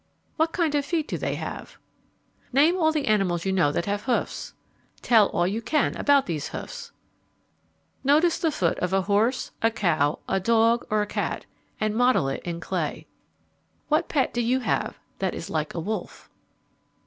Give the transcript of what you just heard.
What kind of feet do they have?_ Name all the animals you know that have hoofs. Tell all you can about these hoofs. Notice the foot of a horse, a cow, a dog, or a cat, and model it in clay. _What pet do you have that is like a wolf?